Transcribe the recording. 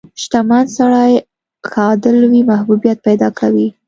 • شتمن سړی که عادل وي، محبوبیت پیدا کوي.